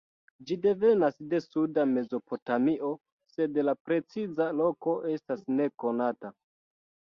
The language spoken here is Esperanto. Ĝi devenas de suda Mezopotamio, sed la preciza loko estas nekonata.